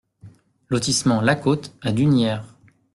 Lotissement La Côte à Dunières